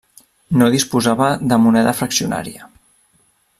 No disposava de moneda fraccionària.